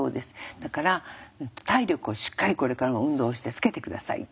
だから「体力をしっかりこれからも運動をしてつけて下さい」って。